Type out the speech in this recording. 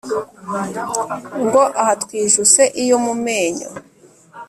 Ngo aha twijuse iyo mu menyo?